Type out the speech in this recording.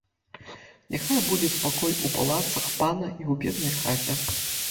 Няхай будзе спакой у палацах пана і ў беднай хаце.